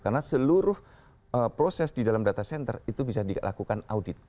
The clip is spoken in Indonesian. karena seluruh proses di dalam data center itu bisa dilakukan audit